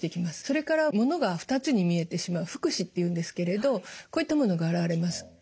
それから物が２つに見えてしまう複視っていうんですけれどこういったものが現れます。